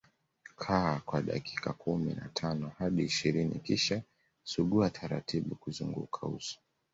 Kaa kwa dakika kumi na tano hadi ishirini kisha sugua taratibu kuzunguka uso